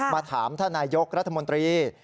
มาถามท่านนายกรัฐมนตรี